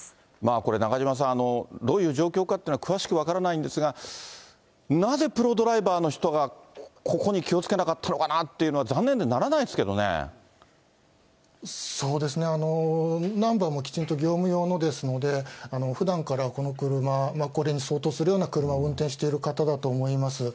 これ、中島さん、どういう状況かっていうのは詳しく分からないんですが、なぜプロドライバーの人がここに気をつけなかったのかなっていうそうですね、ナンバーもきちんと業務用のですので、ふだんからこの車、これに相当するような車を運転している方だと思います。